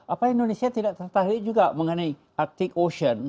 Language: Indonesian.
apalagi indonesia tidak tertarik juga mengenai arctic ocean